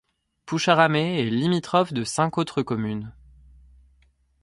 Poucharramet est limitrophe de cinq autres communes.